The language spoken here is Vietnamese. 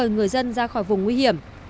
người dân ra khỏi vùng nguy hiểm